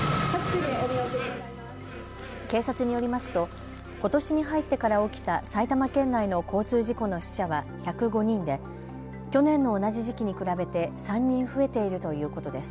警察によりますとことしに入ってから起きた埼玉県内の交通事故の死者は１０５人で去年の同じ時期に比べて３人増えているということです。